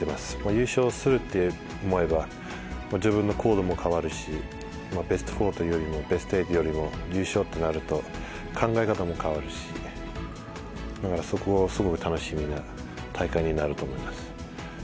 優勝するって思えば、自分の行動も変わるし、ベスト４よりも、ベスト８よりも優勝ってなると、考え方も変わるし、だからそこがすごい楽しみな大会になると思います。